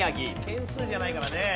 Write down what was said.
軒数じゃないからね。